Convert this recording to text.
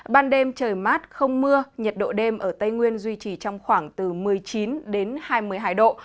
ban đêm trời mát không mưa nhiệt độ đêm ở tây nguyên duy trì trong khoảng từ một mươi chín đến hai mươi hai độ